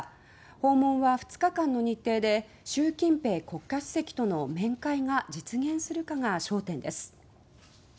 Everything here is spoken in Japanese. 訪問は２日間の日程で習近平国家主席との面会が実現するかが焦点です。